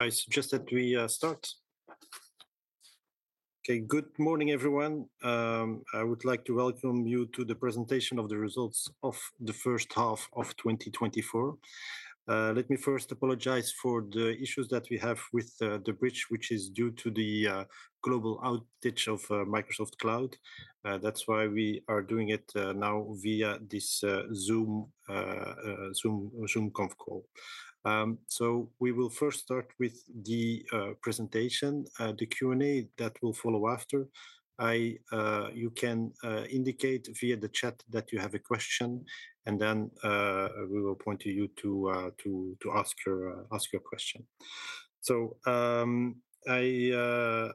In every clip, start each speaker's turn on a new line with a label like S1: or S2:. S1: I suggest that we start. Okay, good morning, everyone. I would like to welcome you to the presentation of the results of the first half of 2024. Let me first apologize for the issues that we have with the bridge, which is due to the global outage of Microsoft Cloud. That's why we are doing it now via this Zoom conference call. We will first start with the presentation, the Q&A that will follow after. You can indicate via the chat that you have a question, and then we will point you to ask your question. I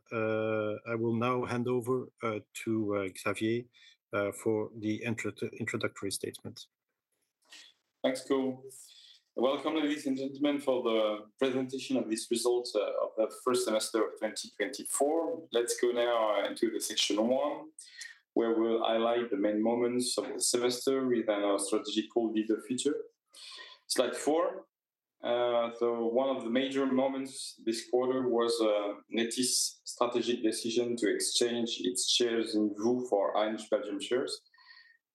S1: will now hand over to Xavier for the introductory statement.
S2: Thanks, Koen. Welcome, ladies and gentlemen, for the presentation of these results of the first semester of 2024. Let's go now into section one, where we'll highlight the main moments of the semester within our strategic goal, Lead the Future. Slide four. So one of the major moments this quarter was Nethys's strategic decision to exchange its shares in VOO for Orange Belgium shares.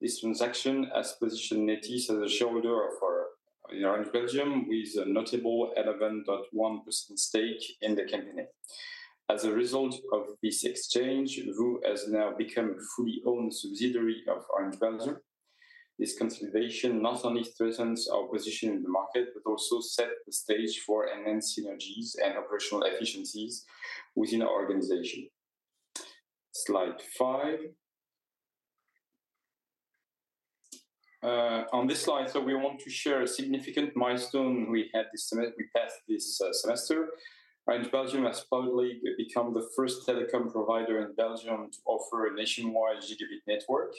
S2: This transaction has positioned Nethys as a shareholder of Orange Belgium with a notable 11.1% stake in the company. As a result of this exchange, VOO has now become a fully owned subsidiary of Orange Belgium. This consideration not only strengthens our position in the market, but also sets the stage for enhanced synergies and operational efficiencies within our organization. Slide five. On this slide, so we want to share a significant milestone we had this semester. We passed this semester. Orange Belgium has probably become the first telecom provider in Belgium to offer a nationwide gigabit network.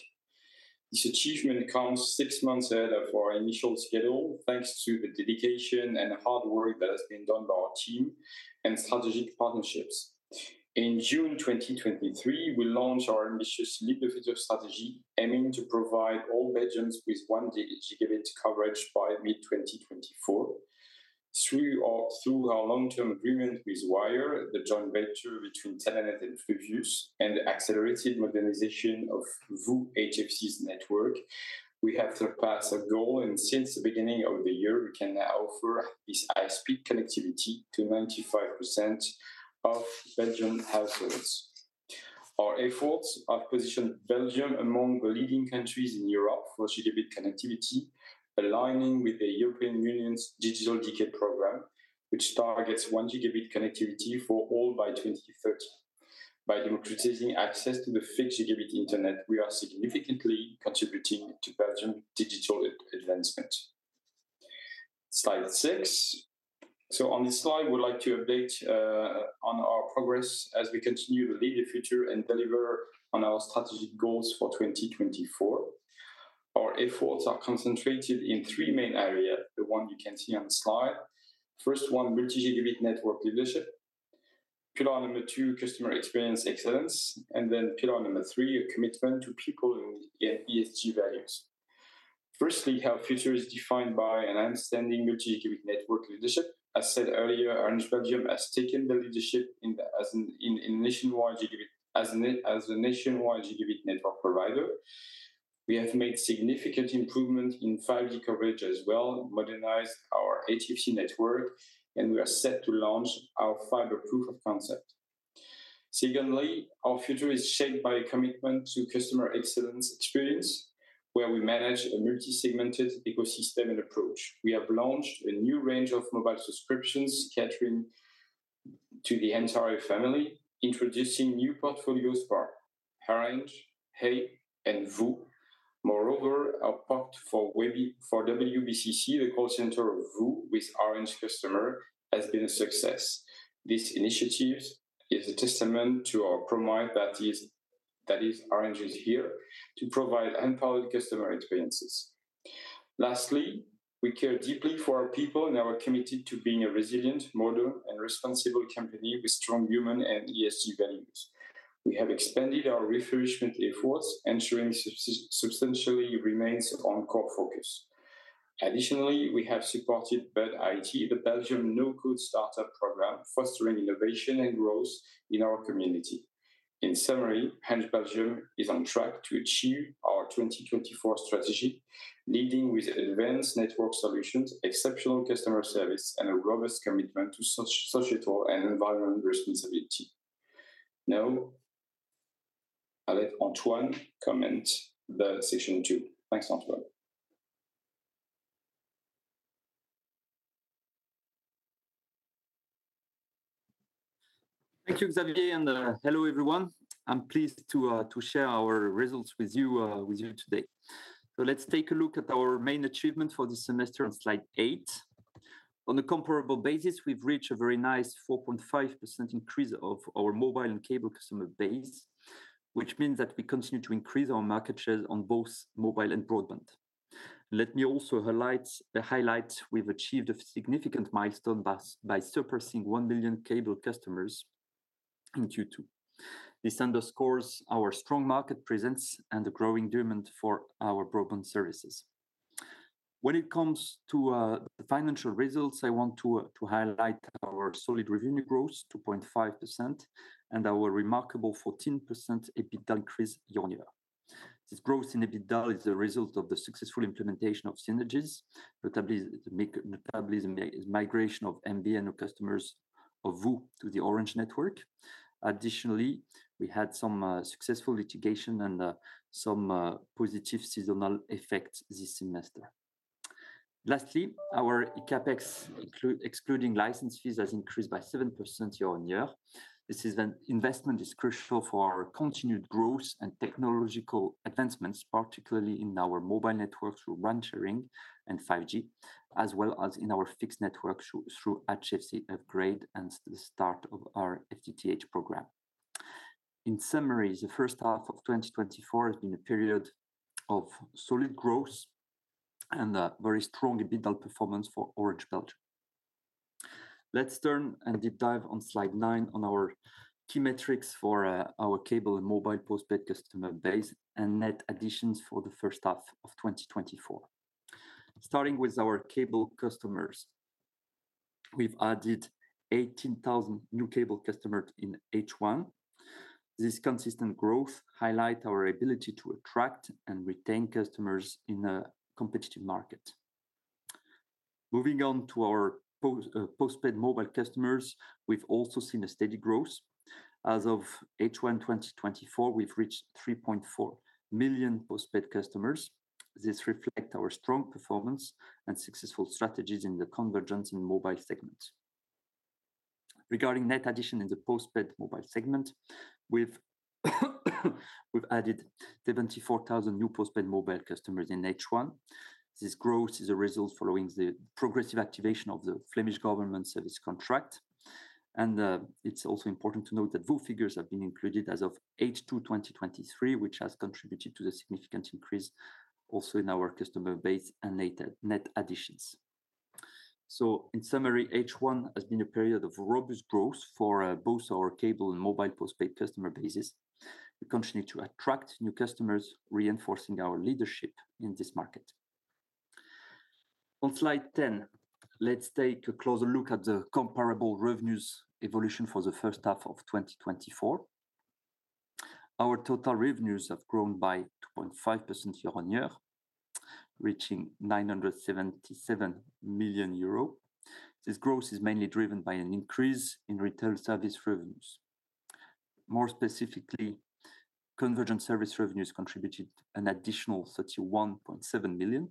S2: This achievement comes six months ahead of our initial schedule, thanks to the dedication and hard work that has been done by our team and strategic partnerships. In June 2023, we launched our ambitious lead the future strategy, aiming to provide all Belgians with one gigabit coverage by mid-2024. Through our long-term agreement with Wyre, the joint venture between Telenet and Fluvius, and the accelerated modernization of VOO HFC's network, we have surpassed our goal, and since the beginning of the year, we can now offer this high-speed connectivity to 95% of Belgian households. Our efforts have positioned Belgium among the leading countries in Europe for gigabit connectivity, aligning with the European Union's Digital Decade Program, which targets one gigabit connectivity for all by 2030. By democratizing access to the fixed gigabit internet, we are significantly contributing to Belgium's digital advancement. Slide six. On this slide, we'd like to update on our progress as we continue to lead the future and deliver on our strategic goals for 2024. Our efforts are concentrated in three main areas, the one you can see on the slide. First one, multi-gigabit network leadership. Pillar number two, customer experience excellence. And then pillar number number, a commitment to people and ESG values. Firstly, how future is defined by an understanding multi-gigabit network leadership. As said earlier, Orange Belgium has taken the leadership in a nationwide gigabit network provider. We have made significant improvements in 5G coverage as well, modernized our HFC network, and we are set to launch our fiber proof of concept. Secondly, our future is shaped by a commitment to customer excellence experience, where we manage a multi-segmented ecosystem and approach. We have launched a new range of mobile subscriptions catering to the entire family, introducing new portfolios for Orange, hey!, and VOO. Moreover, our pact for WBCC, the call center of VOO with Orange customer, has been a success. This initiative is a testament to our promise that Orange is here to provide unparalleled customer experiences. Lastly, we care deeply for our people and our commitment to being a resilient, modern, and responsible company with strong human and ESG values. We have expanded our refurbishment efforts, ensuring sustainability remains a core focus. Additionally, we have supported BuD-IT, the Belgium No-Code Startup Program, fostering innovation and growth in our community. In summary, Orange Belgium is on track to achieve our 2024 strategy, leading with advanced network solutions, exceptional customer service, and a robust commitment to social and environmental responsibility. Now, I'll let Antoine comment the section two. Thanks, Antoine.
S3: Thank you, Xavier, and hello, everyone. I'm pleased to share our results with you today. Let's take a look at our main achievement for this semester on slide eight. On a comparable basis, we've reached a very nice 4.5% increase of our mobile and cable customer base, which means that we continue to increase our market shares on both mobile and broadband. Let me also highlight we've achieved a significant milestone by surpassing 1 million cable customers in Q2. This underscores our strong market presence and the growing demand for our broadband services. When it comes to the financial results, I want to highlight our solid revenue growth, 2.5%, and our remarkable 14% EBITDA increase year-on-year. This growth in EBITDA is the result of the successful implementation of synergies, notably the migration of MVNO customers of VOO to the Orange network. Additionally, we had some successful litigation and some positive seasonal effects this semester. Lastly, our eCAPEX, excluding license fees, has increased by 7% year-on-year. This investment is crucial for our continued growth and technological advancements, particularly in our mobile network through RAN sharing and 5G, as well as in our fixed network through HFC upgrade and the start of our FTTH program. In summary, the first half of 2024 has been a period of solid growth and very strong EBITDA performance for Orange Belgium. Let's turn and deep dive on slide nine on our key metrics for our cable and mobile postpaid customer base and net additions for the first half of 2024. Starting with our cable customers, we've added 18,000 new cable customers in H1. This consistent growth highlights our ability to attract and retain customers in a competitive market. Moving on to our postpaid mobile customers, we've also seen a steady growth. As of H1 2024, we've reached 3.4 million postpaid customers. This reflects our strong performance and successful strategies in the convergence and mobile segment. Regarding net addition in the postpaid mobile segment, we've added 74,000 new postpaid mobile customers in H1. This growth is a result following the progressive activation of the Flemish Government service contract. And it's also important to note that VOO figures have been included as of H2 2023, which has contributed to the significant increase also in our customer base and net additions. So in summary, H1 has been a period of robust growth for both our cable and mobile postpaid customer bases. We continue to attract new customers, reinforcing our leadership in this market. On slide 10, let's take a closer look at the comparable revenues evolution for the first half of 2024. Our total revenues have grown by 2.5% year-on-year, reaching 977 million euros. This growth is mainly driven by an increase in retail service revenues. More specifically, convergent service revenues contributed an additional 31.7 million.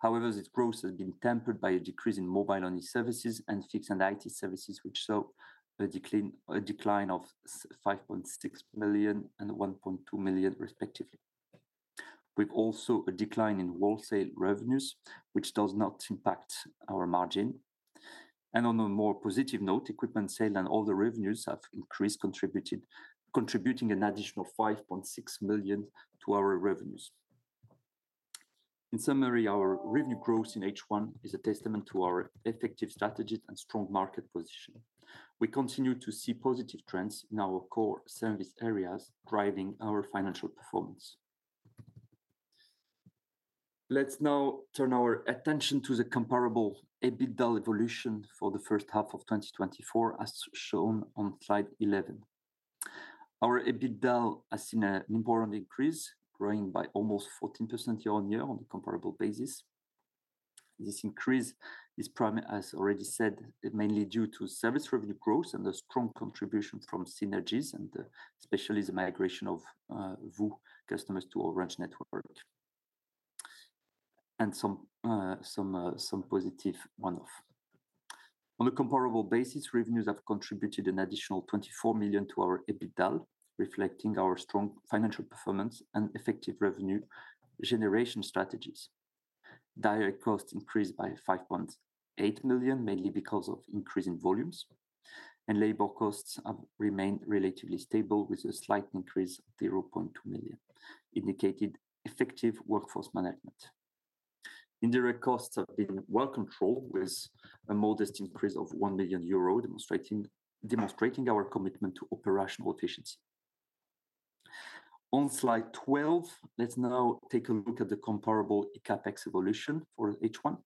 S3: However, this growth has been tempered by a decrease in mobile-only services and fixed and IT services, which saw a decline of 5.6 million and 1.2 million, respectively. We've also seen a decline in wholesale revenues, which does not impact our margin. And on a more positive note, equipment sales and other revenues have increased, contributing an additional 5.6 million to our revenues. In summary, our revenue growth in H1 is a testament to our effective strategy and strong market position. We continue to see positive trends in our core service areas, driving our financial performance. Let's now turn our attention to the comparable EBITDA evolution for the first half of 2024, as shown on slide 11. Our EBITDA has seen an important increase, growing by almost 14% year-on-year on the comparable basis. This increase is, as already said, mainly due to service revenue growth and the strong contribution from synergies, and especially the migration of VOO customers to Orange network, and some positive one-off. On a comparable basis, revenues have contributed an additional 24 million to our EBITDA, reflecting our strong financial performance and effective revenue generation strategies. Direct costs increased by 5.8 million, mainly because of increasing volumes, and labor costs have remained relatively stable with a slight increase of 0.2 million, indicating effective workforce management. Indirect costs have been well controlled with a modest increase of 1 million euro, demonstrating our commitment to operational efficiency. On slide 12, let's now take a look at the comparable ECAPEX evolution for H1.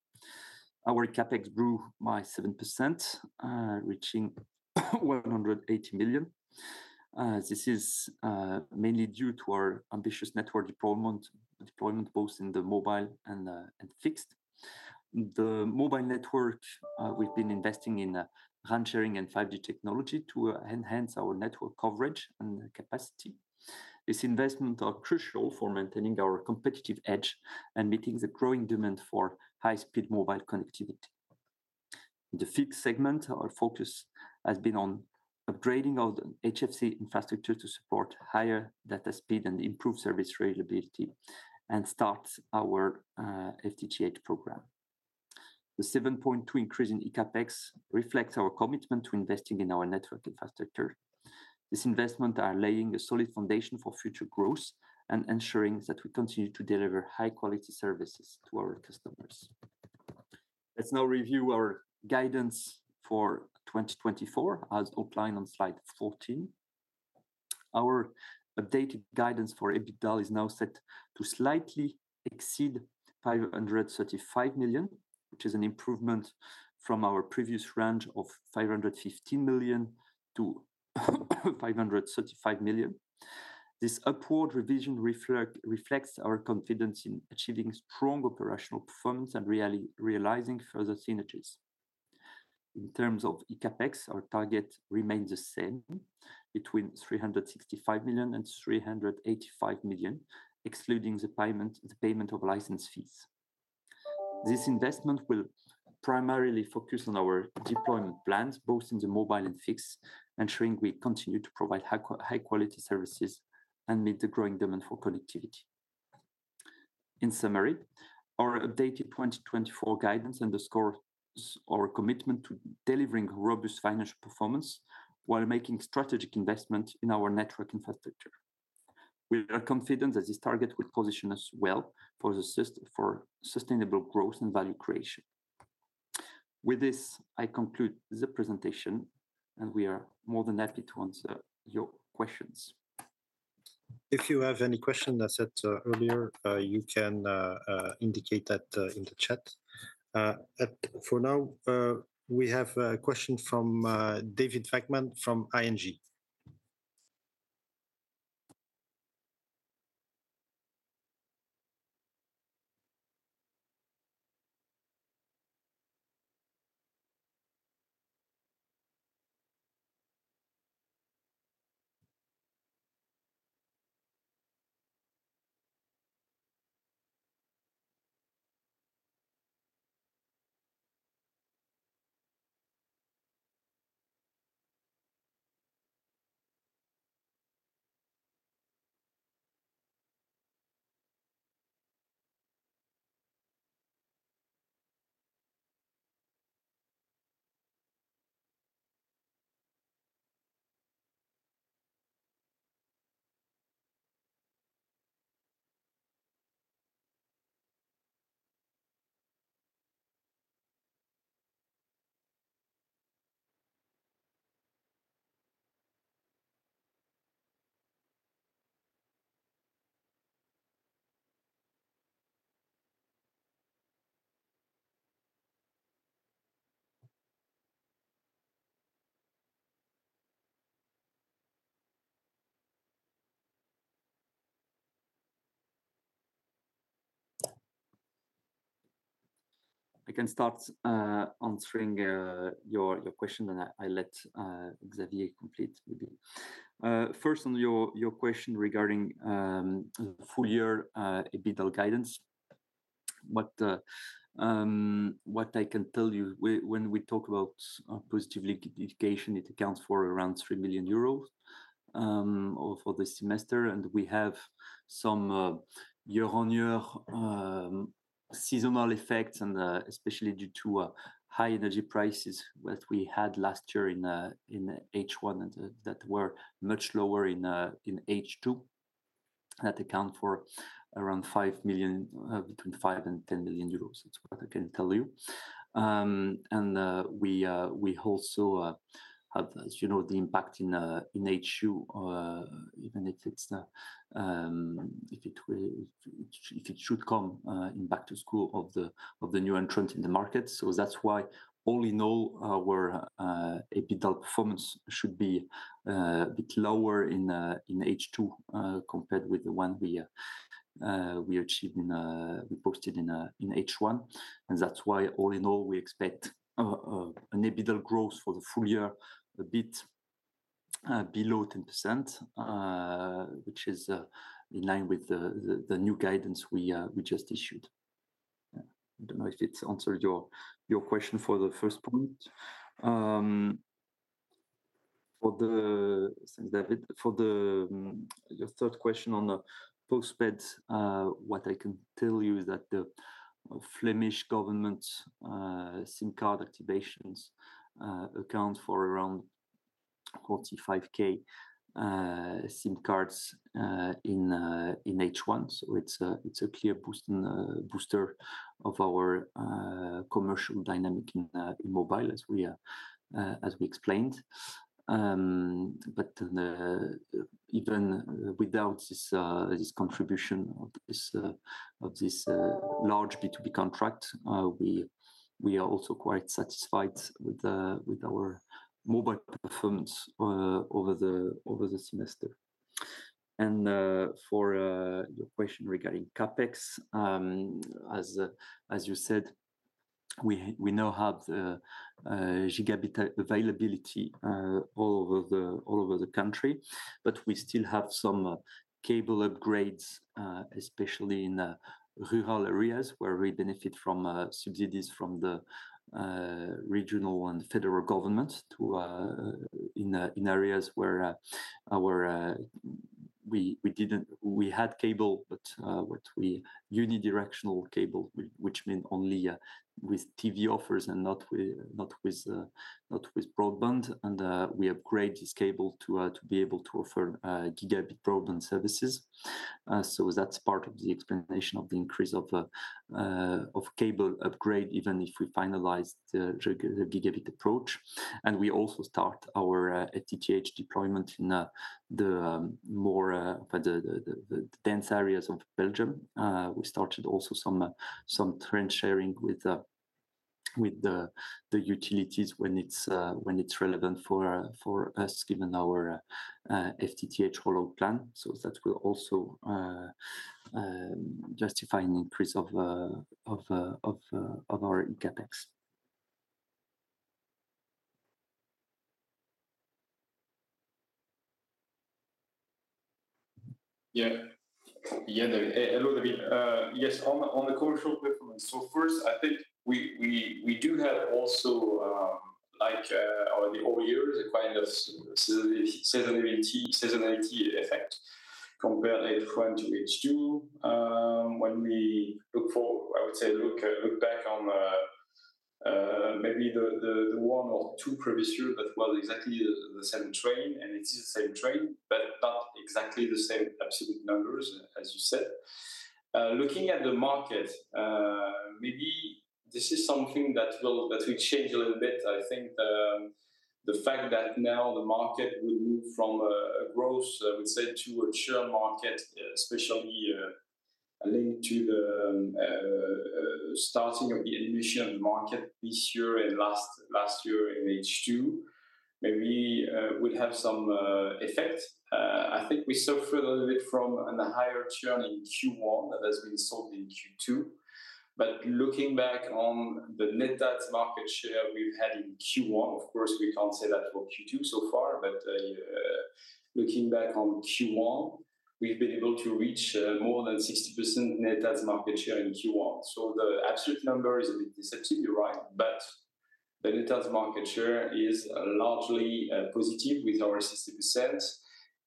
S3: Our ECAPEX grew by 7%, reaching 180 million. This is mainly due to our ambitious network deployment, both in the mobile and fixed. The mobile network, we've been investing in RAN sharing and 5G technology to enhance our network coverage and capacity. These investments are crucial for maintaining our competitive edge and meeting the growing demand for high-speed mobile connectivity. In the fixed segment, our focus has been on upgrading our HFC infrastructure to support higher data speed and improved service availability, and start our FTTH program. The 7.2% increase in ECAPEX reflects our commitment to investing in our network infrastructure. This investment is laying a solid foundation for future growth and ensuring that we continue to deliver high-quality services to our customers. Let's now review our guidance for 2024, as outlined on slide 14. Our updated guidance for EBITDA is now set to slightly exceed 535 million, which is an improvement from our previous range of 515 million-535 million. This upward revision reflects our confidence in achieving strong operational performance and realizing further synergies. In terms of ECAPEX, our target remains the same, between 365 million and 385 million, excluding the payment of license fees. This investment will primarily focus on our deployment plans, both in the mobile and fixed, ensuring we continue to provide high-quality services and meet the growing demand for connectivity. In summary, our updated 2024 guidance underscores our commitment to delivering robust financial performance while making strategic investments in our network infrastructure. We are confident that this target will position us well for sustainable growth and value creation. With this, I conclude the presentation, and we are more than happy to answer your questions.
S1: If you have any questions, as said earlier, you can indicate that in the chat. For now, we have a question from David Vagman from ING.
S3: I can start answering your question, and I'll let Xavier complete with it. First, on your question regarding the full-year EBITDA guidance, what I can tell you, when we talk about positive litigation, it accounts for around 3 million euros for the semester, and we have some year-on-year seasonal effects, and especially due to high energy prices that we had last year in H1 and that were much lower in H2, that account for around 5 million, between 5 million and 10 million euros. That's what I can tell you. And we also have, as you know, the impact in H2, even if it should come in back to school of the new entrants in the market. So that's why all in all, our EBITDA performance should be a bit lower in H2 compared with the one we achieved in posted in H1. That's why all in all, we expect an EBITDA growth for the full year a bit below 10%, which is in line with the new guidance we just issued. I don't know if it answered your question for the first point. For your third question on postpaid, what I can tell you is that the Flemish Government SIM card activations account for around 45,000 SIM cards in H1. So it's a clear booster of our commercial dynamic in mobile, as we explained. But even without this contribution of this large B2B contract, we are also quite satisfied with our mobile performance over the semester. For your question regarding CAPEX, as you said, we now have gigabit availability all over the country, but we still have some cable upgrades, especially in rural areas where we benefit from subsidies from the regional and federal government in areas where we had cable, but unidirectional cable, which meant only with TV offers and not with broadband. We upgrade this cable to be able to offer gigabit broadband services. So that's part of the explanation of the increase of cable upgrade, even if we finalize the gigabit approach. We also start our FTTH deployment in the more dense areas of Belgium. We started also some RAN sharing with the utilities when it's relevant for us, given our FTTH rollout plan. So that will also justify an increase of our ECAPEX.
S2: Yeah. Yeah, David. Hello, David. Yes, on the commercial performance. So first, I think we do have also, like all years, a kind of seasonality effect compared to H1 to H2. When we look for, I would say, look back on maybe the one or two previous years that were exactly the same train, and it is the same train, but not exactly the same absolute numbers, as you said. Looking at the market, maybe this is something that will change a little bit. I think the fact that now the market would move from a growth, I would say, to a churn market, especially linked to the starting of the admission market this year and last year in H2, maybe would have some effect. I think we suffered a little bit from a higher churn in Q1 that has been sold in Q2. But looking back on the net asset market share we've had in Q1, of course, we can't say that for Q2 so far, but looking back on Q1, we've been able to reach more than 60% net asset market share in Q1. So the absolute number is a bit deceptive, you're right, but the net asset market share is largely positive with our 60%.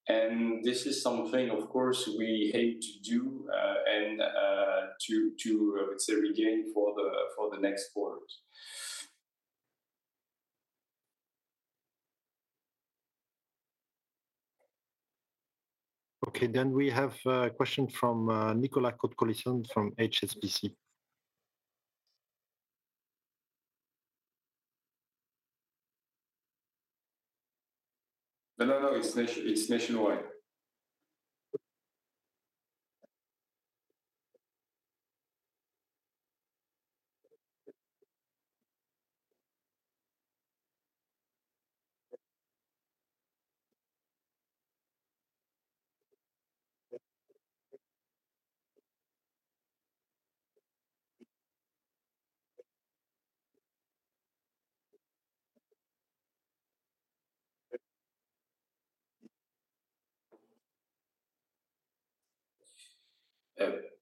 S2: And this is something, of course, we aim to do and to, I would say, regain for the next quarter.
S1: Okay, then we have a question from Nicolas Cote-Colisson from HSBC.
S2: No, no, no, it's nationwide.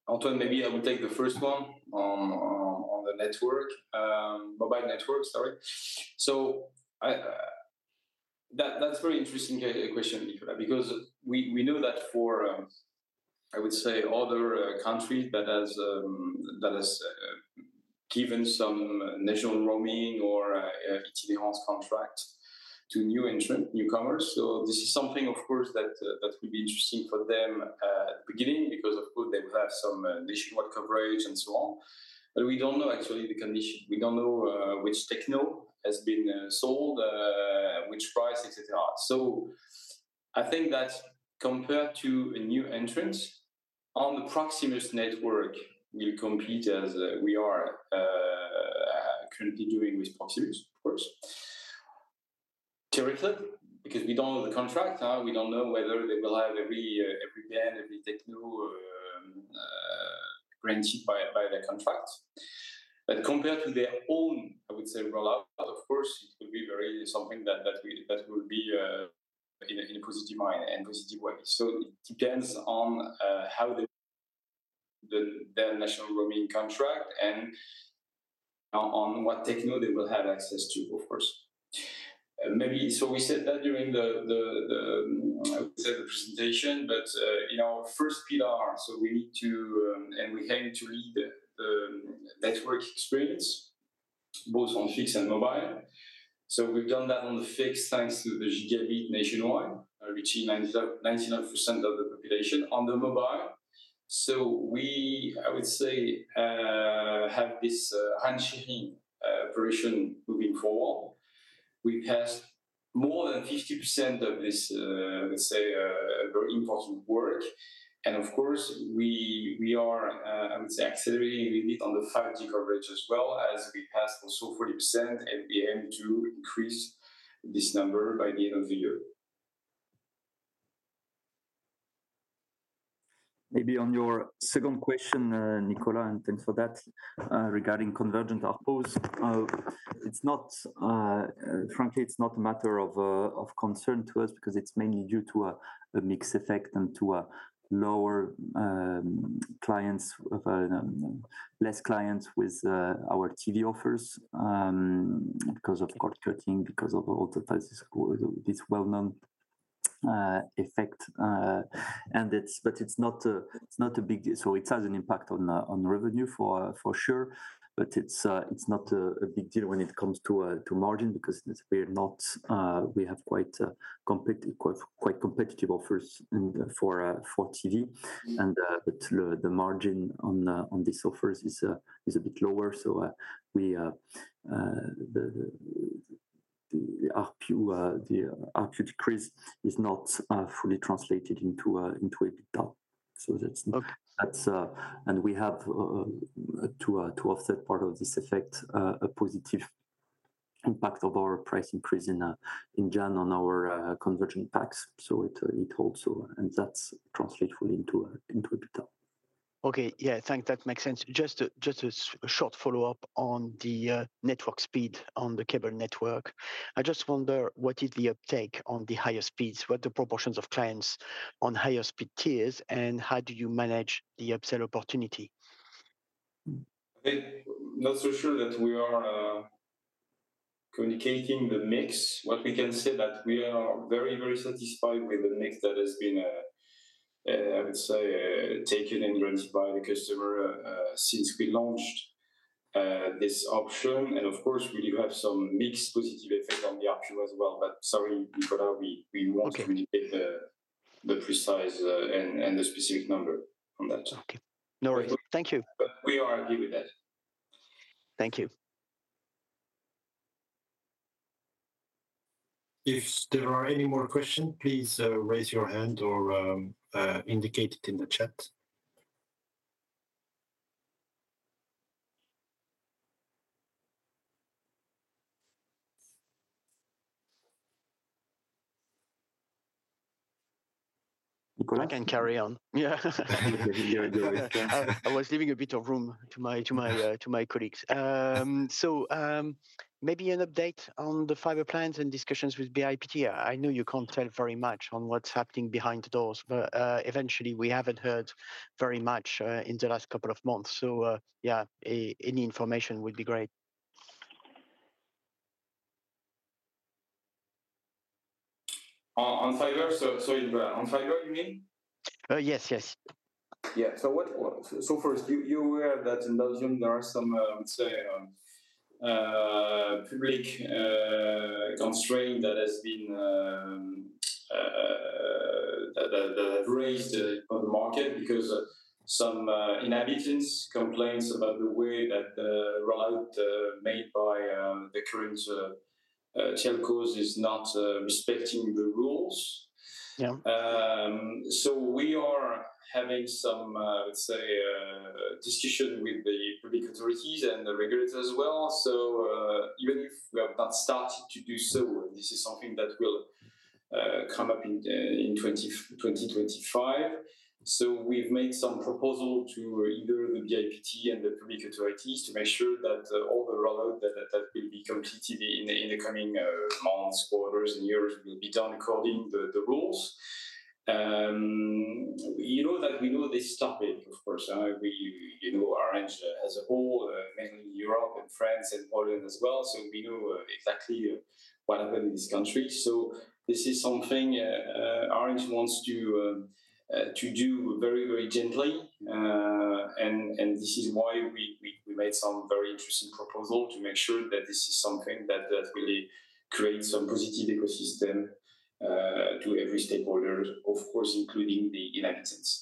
S2: Antoine, maybe I will take the first one on the network, mobile network, sorry. So that's a very interesting question, Nicolas, because we know that for, I would say, other countries that have given some national roaming or itinerance contract to new entrants, newcomers. So this is something, of course, that would be interesting for them at the beginning because, of course, they will have some nationwide coverage and so on. But we don't know actually the condition. We don't know which techno has been sold, which price, etc. So I think that compared to a new entrant, on the Proximus network, we'll compete as we are currently doing with Proximus, of course, theoretically, because we don't know the contract. We don't know whether they will have every band, every techno guaranteed by the contract. But compared to their own, I would say, rollout, of course, it will be very something that will be in a positive way. So it depends on how their national roaming contract and on what techno they will have access to, of course. So we said that during the, I would say, the presentation, but in our first PR, so we need to, and we aim to lead the network experience, both on fixed and mobile. So we've done that on the fixed thanks to the gigabit nationwide, reaching 99% of the population on the mobile. So we, I would say, have this RAN-sharing operation moving forward. We passed more than 50% of this, let's say, very important work. Of course, we are, I would say, accelerating a little bit on the 5G coverage as well, as we passed also 40%, and we aim to increase this number by the end of the year.
S3: Maybe on your second question, Nicolas, and thanks for that regarding convergent. Precisely, frankly, it's not a matter of concern to us because it's mainly due to a mix effect and to lower clients, less clients with our TV offers because of cord cutting, because of all this well-known effect. But it's not a big deal. So it has an impact on revenue for sure, but it's not a big deal when it comes to margin because we have quite competitive offers for TV. But the margin on these offers is a bit lower. So the RPU decrease is not fully translated into EBITDA. And we have, to offset part of this effect, a positive impact of our price increase in general on our convergent packs. So it holds, and that's translated fully into EBITDA.
S4: Okay, yeah, thanks. That makes sense. Just a short follow-up on the network speed on the cable network. I just wonder what is the uptake on the higher speeds, what are the proportions of clients on higher speed tiers, and how do you manage the upsell opportunity?
S2: I think not so sure that we are communicating the mix. What we can say is that we are very, very satisfied with the mix that has been, I would say, taken and granted by the customer since we launched this option. And of course, we do have some mixed positive effect on the RPU as well. But sorry, Nicolas, we won't communicate the precise and the specific number on that.
S4: Okay. No worries. Thank you.
S2: But we are happy with that.
S4: Thank you.
S1: If there are any more questions, please raise your hand or indicate it in the chat.
S3: Nicolas can carry on.
S4: Yeah. I was leaving a bit of room to my colleagues. So maybe an update on the fiber plans and discussions with BIPT. I know you can't tell very much on what's happening behind the doors, but eventually, we haven't heard very much in the last couple of months. So yeah, any information would be great.
S2: On fiber, so on fiber, you mean?
S4: Yes, yes.
S2: Yeah. So first, you aware that in Belgium, there are some, I would say, public constraints that have raised for the market because some inhabitants' complaints about the way that the rollout made by the current telcos is not respecting the rules. So we are having some, I would say, discussion with the public authorities and the regulators as well. So even if we have not started to do so, this is something that will come up in 2025. So we've made some proposals to either the BIPT and the public authorities to make sure that all the rollout that will be completed in the coming months, quarters, and years will be done according to the rules. You know that we know this topic, of course. Orange has a whole, mainly Europe and France and Poland as well. So we know exactly what happened in this country. So this is something Orange wants to do very, very gently. And this is why we made some very interesting proposals to make sure that this is something that really creates a positive ecosystem to every stakeholder, of course, including the inhabitants.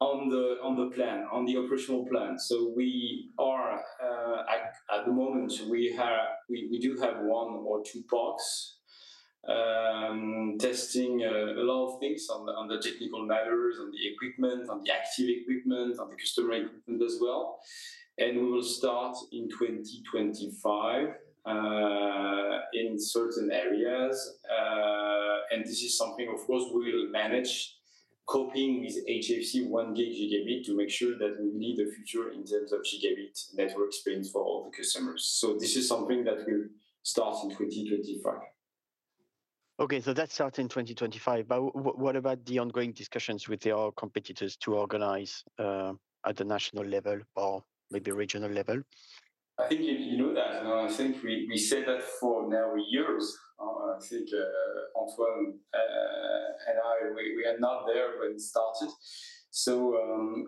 S2: On the plan, on the operational plan, so we are at the moment, we do have one or two parks testing a lot of things on the technical matters, on the equipment, on the active equipment, on the customer equipment as well. And we will start in 2025 in certain areas. And this is something, of course, we will manage coping with HFC 1G gigabit to make sure that we need a future in terms of gigabit network space for all the customers. So this is something that will start in 2025.
S4: Okay, so that starts in 2025. But what about the ongoing discussions with your competitors to organize at the national level or maybe regional level?
S2: I think you know that. I think we said that for now years. I think Antoine and I, we are not there when it started. So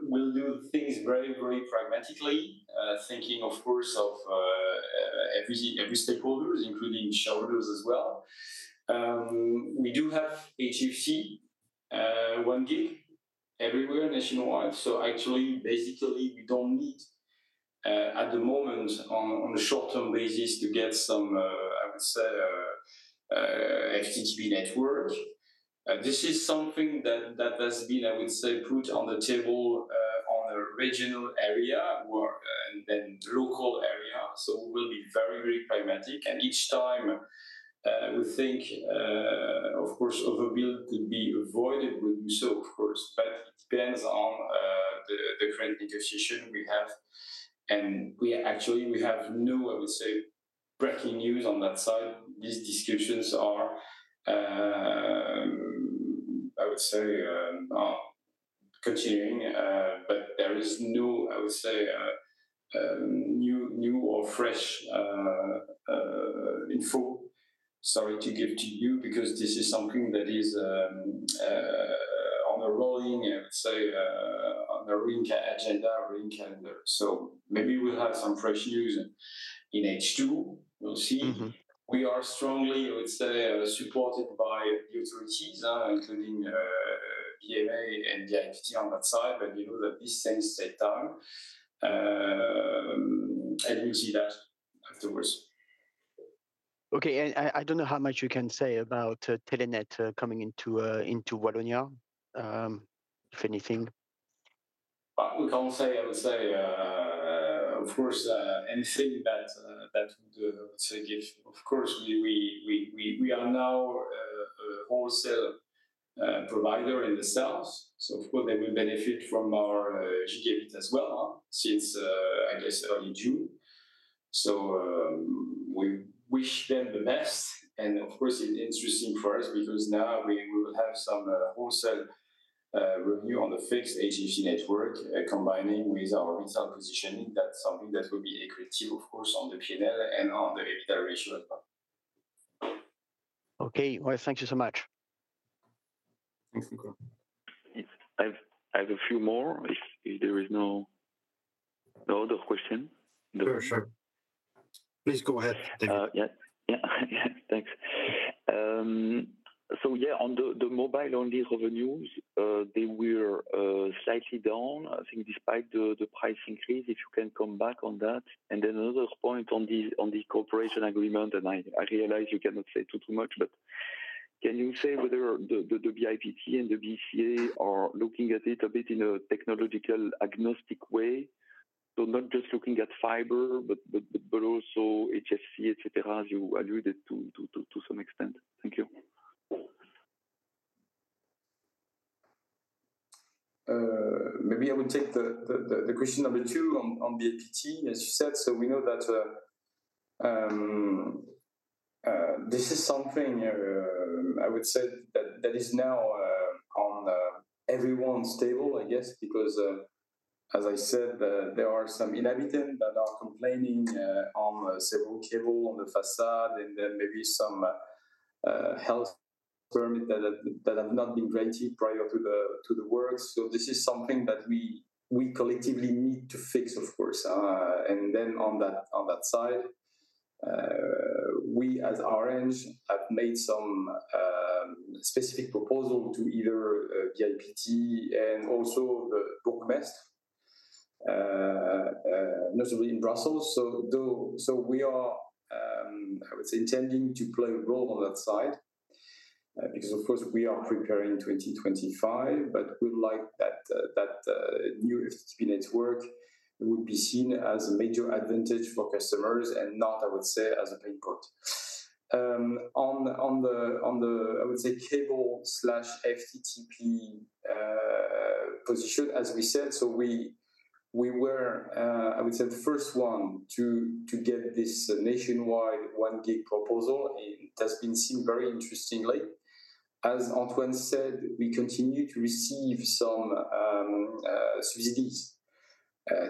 S2: we'll do things very, very pragmatically, thinking, of course, of every stakeholder, including shareholders as well. We do have HFC 1G everywhere nationwide. So actually, basically, we don't need at the moment on a short-term basis to get some, I would say, FTTP network. This is something that has been, I would say, put on the table on the regional area and then local area. So we will be very, very pragmatic. And each time we think, of course, overbuild could be avoided, we'll do so, of course. But it depends on the current negotiation we have. And actually, we have no, I would say, breaking news on that side. These discussions are, I would say, continuing. But there is no, I would say, new or fresh info, sorry, to give to you because this is something that is on a rolling, I would say, on a ring agenda, ring calendar. So maybe we'll have some fresh news in H2. We'll see. We are strongly, I would say, supported by the authorities, including BCA and BIPT on that side. But we know that these things take time. And we'll see that afterwards.
S4: Okay. I don't know how much you can say about Telenet coming into Wallonia, if anything.
S2: We can't say, I would say, of course, anything that would give. Of course, we are now a wholesale provider in the south. So of course, they will benefit from our gigabit as well since, I guess, early June. So we wish them the best. And of course, it's interesting for us because now we will have some wholesale revenue on the fixed HFC network combining with our retail positioning. That's something that will be equitable, of course, on the P&L and on the EBITDA ratio as well.
S4: Okay. Well, thank you so much.
S2: Thanks, Nicolas.
S4: I have a few more if there is no other question. Sure, sure. Please go ahead. Yeah, thanks. So yeah, on the mobile-only revenues, they were slightly down, I think, despite the price increase, if you can come back on that. And then another point on the cooperation agreement, and I realize you cannot say too much, but can you say whether the BIPT and the BCA are looking at it a bit in a technological agnostic way? So not just looking at fiber, but also HFC, etc., as you alluded to some extent. Thank you.
S2: Maybe I would take the question number 2 on BIPT, as you said. So we know that this is something, I would say, that is now on everyone's table, I guess, because, as I said, there are some inhabitants that are complaining on several cables on the façade and then maybe some health permits that have not been granted prior to the works. So this is something that we collectively need to fix, of course. And then on that side, we as Orange have made some specific proposals to either BIPT and also the BCA, notably in Brussels. So we are, I would say, intending to play a role on that side because, of course, we are preparing 2025, but we'd like that new FTTP network would be seen as a major advantage for customers and not, I would say, as a pain point. On the, I would say, cable/FTTP position, as we said, so we were, I would say, the first one to get this nationwide 1G proposal. It has been seen very interestingly. As Antoine said, we continue to receive some subsidies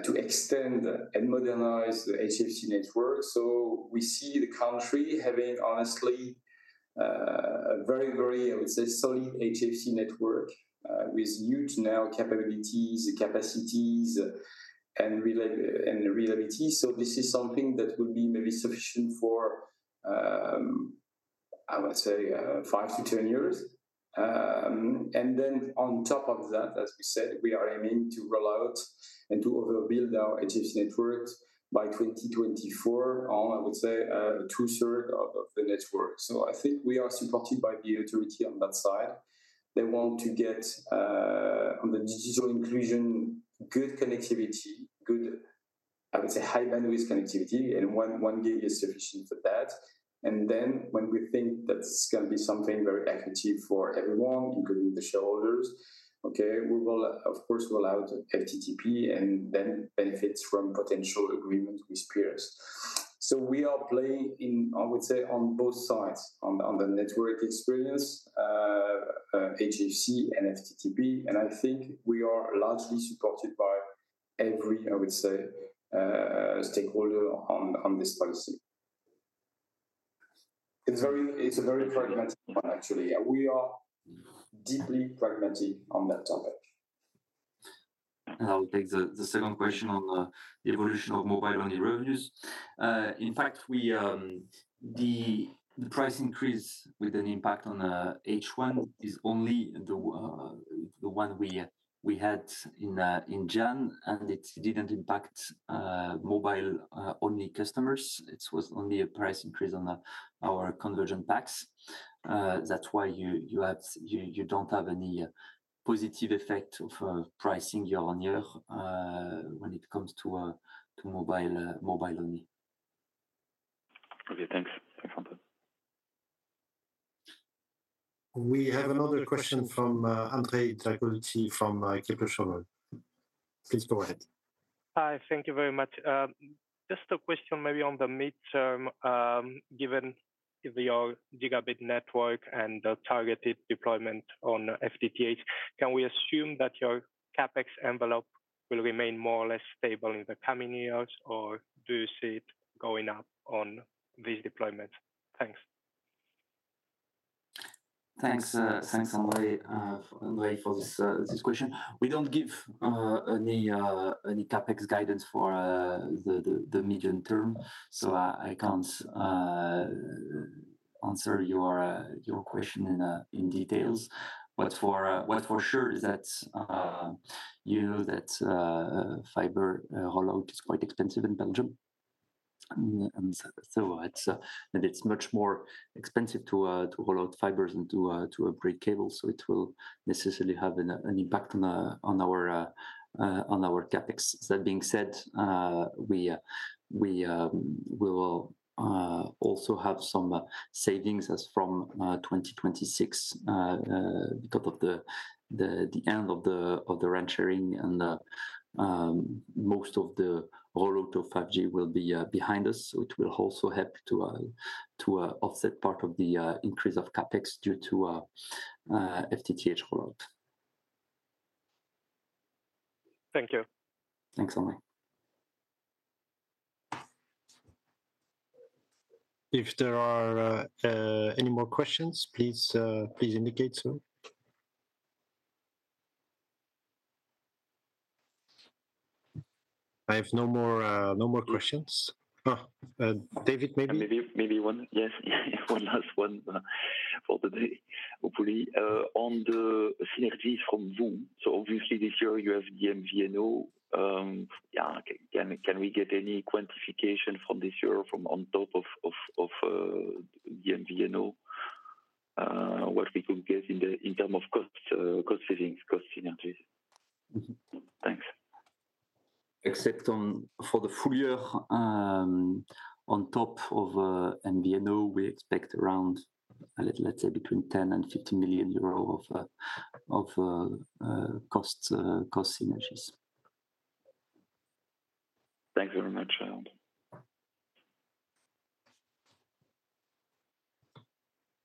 S2: to extend and modernize the HFC network. So we see the country having, honestly, a very, very, I would say, solid HFC network with huge new capabilities, capacities, and reliability. So this is something that will be maybe sufficient for, I would say, 5-10 years. And then on top of that, as we said, we are aiming to roll out and to overbuild our HFC network by 2024 on, I would say, two-thirds of the network. So I think we are supported by the authority on that side. They want to get on the digital inclusion, good connectivity, good, I would say, high-bandwidth connectivity, and 1G is sufficient for that. And then when we think that it's going to be something very equitable for everyone, including the shareholders, okay, we will, of course, roll out FTTP and then benefit from potential agreements with peers. So we are playing, I would say, on both sides on the network experience, HFC and FTTP. And I think we are largely supported by every, I would say, stakeholder on this policy. It's a very pragmatic one, actually. We are deeply pragmatic on that topic. I'll take the second question on the evolution of mobile-only revenues. In fact, the price increase with an impact on H1 is only the one we had in GEN, and it didn't impact mobile-only customers. It was only a price increase on our convergent packs. That's why you don't have any positive effect of pricing year-over-year when it comes to mobile-only.
S4: Okay, thanks. Thanks, Antoine.
S1: We have another question from André Tragolti from Kepler Cheuvreux. Please go ahead.
S5: Hi, thank you very much. Just a question maybe on the midterm, given your gigabit network and the targeted deployment on FTTH, can we assume that your CapEx envelope will remain more or less stable in the coming years, or do you see it going up on these deployments? Thanks.
S3: Thanks, André, for this question. We don't give any CapEx guidance for the medium term, so I can't answer your question in detail. What's for sure is that you know that fiber rollout is quite expensive in Belgium. And so it's much more expensive to roll out fibers than to upgrade cables, so it will necessarily have an impact on our CapEx. That being said, we will also have some savings from 2026 because of the end of the RAN sharing, and most of the rollout of 5G will be behind us. So it will also help to offset part of the increase of CapEx due to FTTH rollout.
S5: Thank you.
S3: Thanks, André.
S1: If there are any more questions, please indicate so. I have no more questions. David, maybe?
S6: Maybe one. Yes, one last one for today, hopefully. On the synergies from VOO. So obviously, this year, you have MVNO. Yeah, can we get any quantification from this year on top of MVNO, what we could get in terms of cost savings, cost synergies? Thanks.
S3: Except for the full year on top of MVNO, we expect around, let's say, between 10 million euros and 15 million euro of cost synergies.
S6: Thanks very much, Antoine.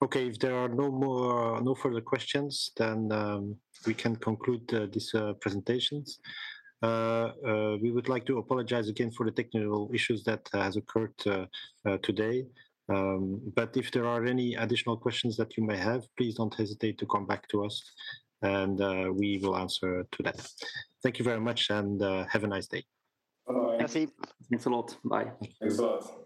S1: Okay, if there are no further questions, then we can conclude this presentation. We would like to apologize again for the technical issues that have occurred today. But if there are any additional questions that you may have, please don't hesitate to come back to us, and we will answer to that. Thank you very much and have a nice day.
S2: Thanks a lot. Bye.
S3: Thanks a lot.